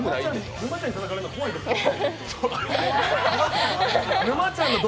沼ちゃんにたたかれるの怖いですけど。